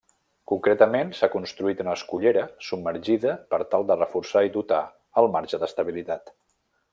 Concretament s’ha construït una escullera submergida per tal de reforçar i dotar el marge d’estabilitat.